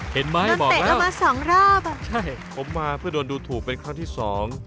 เห็นมั้ยบอกแล้วใช่ผมมาเพื่อโดนดูถูกเป็นครั้งที่สอง